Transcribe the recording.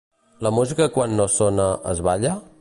La música quan no sona, es balla?